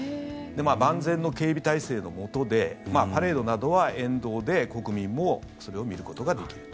万全の警備体制のもとでパレードなどは沿道で国民もそれを見ることができると。